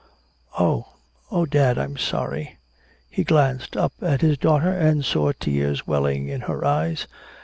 "Oh. Oh, dad. I'm sorry." He glanced up at his daughter and saw tears welling in her eyes.